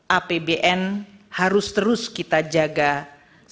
apbn harus terus kita jaga sebagai fungsi yang berharga